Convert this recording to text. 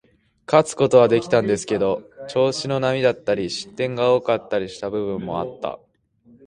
勝つことはできたんですけど、調子の波だったり、失点が多かったりした部分もあった。